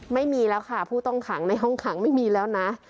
ไม่มีแล้วค่ะผู้ต้องขังในห้องขังไม่มีแล้วนะ